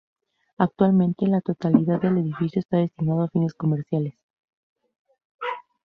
Actualmente la totalidad del edificio está destinado a fines comerciales.